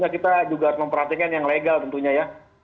kita juga harus memperhatikan yang legal tentunya ya